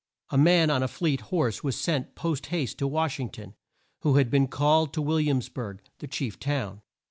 A man on a fleet horse was sent post haste to Wash ing ton, who had been called to Will iams burg, the chief town.